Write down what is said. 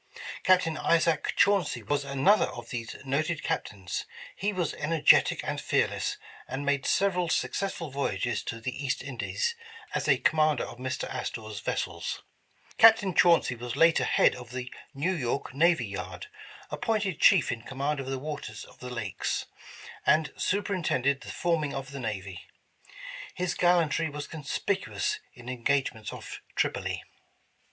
Captain Isaac Chauncy was another of these noted Captains. He was energetic and fearless, and made several successful voyages to the East Indies as a com mander of Mr. Astor 's vessels. Captain Chauncy was later head of the New York Navy Yard, appointed chief in command of the waters of the Lakes, and superin tended the forming of the Navy. His gallantry was conspicuous in engagements off Tripoli.